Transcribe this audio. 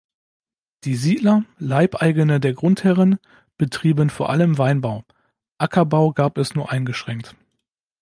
Die Siedler, Leibeigene der Grundherren, betrieben vor allem Weinbau, Ackerbau gab es nur eingeschränkt.